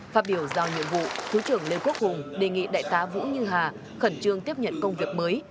phát biểu giao nhiệm vụ thứ trưởng lê quốc hùng đề nghị đại tá vũ như hà khẩn trương tiếp nhận công việc mới